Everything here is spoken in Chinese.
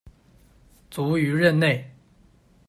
卒于任内。